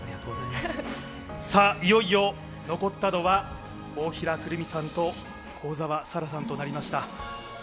いよいよ残ったのは大平くるみさんと幸澤沙良さんとなりました。